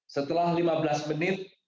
setelah lima belas menit